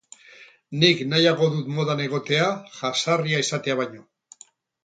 Nik nahiago dut modan egotea jazarria izatea baino.